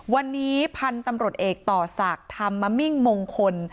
วันนี้พันธุ์ตำรวจเอกต่อศักดิ์ธรรมมิ่งมงคล